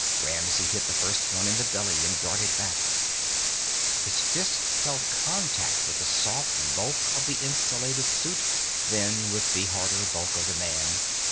Ramsey hit the first one in the belly and darted back. His fist felt contact with the soft bulk of the insulined suit, then with the harder bulk of the man.